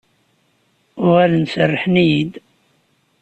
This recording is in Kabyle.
Uɣalen serrḥen-iyi-d.